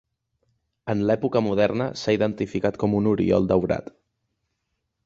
En l'època moderna, s'ha identificat com un oriol daurat.